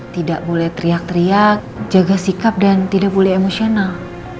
tidak boleh teriak teriak jaga sikap dan tidak boleh emosional